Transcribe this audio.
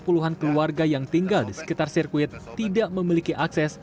puluhan keluarga yang tinggal di sekitar sirkuit tidak memiliki akses